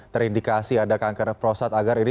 terindikasi ada kanker prostat agar ini